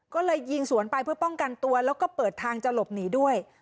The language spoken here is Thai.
ก็เลยยิงสวนไปเพื่อป้องกันตัวแล้วก็เปิดทางจะหลบหนีด้วย